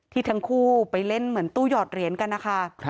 ทั้งคู่ไปเล่นเหมือนตู้หยอดเหรียญกันนะคะ